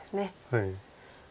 はい。